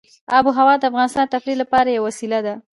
آب وهوا د افغانانو د تفریح لپاره یوه وسیله ده.